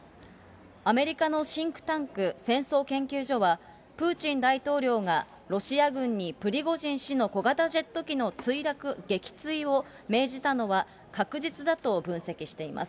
アメリカのシンクタンク、戦争研究所は、プーチン大統領がロシア軍にプリゴジン氏の小型ジェット機の撃墜を命じたのは確実だと分析しています。